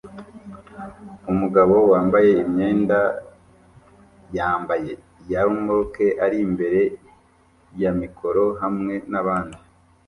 Umugabo wambaye imyenda yambaye Yarmulke ari imbere ya mikoro hamwe nabandi